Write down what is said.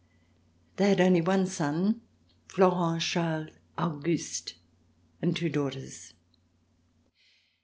They had only one son, Florent Charles Auguste, and two daughters.